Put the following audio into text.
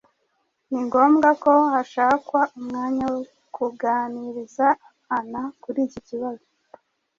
Ni ngombwa ko hashakwa umwanya wo kuganiriza abana kuri iki kibazo.